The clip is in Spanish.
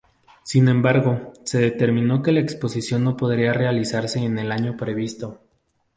Sin embargo, se determinó que la exposición no podría realizarse en el año previsto.